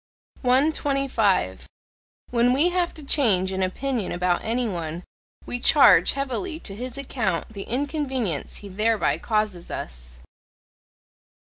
125. When we have to change an opinion about any one, we charge heavily to his account the inconvenience he thereby causes us.